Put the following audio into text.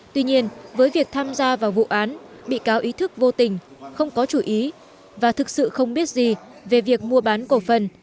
tuy nhiên với việc tham gia vào vụ án bị cáo ý thức vô tình không có chú ý và thực sự không biết gì về việc mua bán cổ phần